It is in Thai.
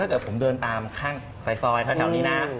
ถ้าเกิดผมเดินตามข้างซอยแถวนี้นะ